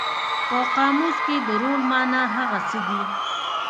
په قاموس کې د رول مانا هغه څه دي.